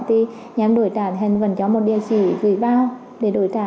thì nhà đổi trả hình vẫn cho một điện sĩ gửi bao để đổi trả